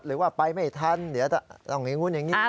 เพราะว่าไปไม่ทันเดี๋ยวเอาไหนอย่างนี้